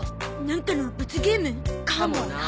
なんかの罰ゲーム？かもな。